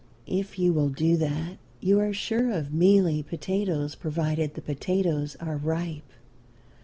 If you will do that you are sure of mealy potatoes, provided the potatoes are ripe.